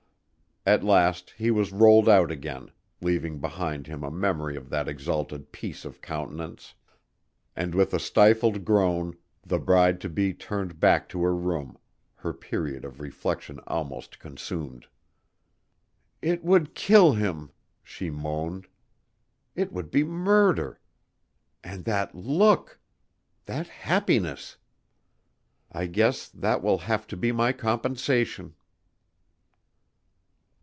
At last he was rolled out again, leaving behind him a memory of that exalted peace of countenance, and with a stifled groan the bride to be turned back to her room her period of reflection almost consumed. "It would kill him!" she moaned. "It would be murder. And that look! That happiness! I guess that will have to be my compensation."